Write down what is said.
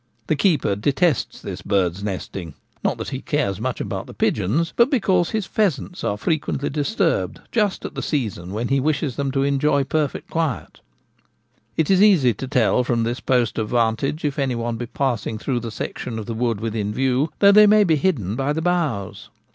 The keeper detests this bird's nesting; not that he^cares much about the pigeons, but because his pheasants are frequently disturbed just at the season when he wishes them to enjoy perfect quiet It is easy to tell from this post of vantage if any one be passing through the section of the wood within view, though they may be hidden by the boughs.